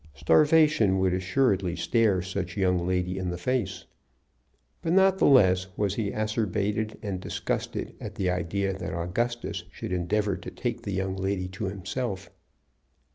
Starvation would assuredly stare such young lady in the face. But not the less was he acerbated and disgusted at the idea that Augustus should endeavor to take the young lady to himself.